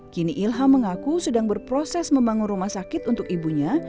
kini ilham mengaku sedang berproses membangun rumah sakit untuk ibunya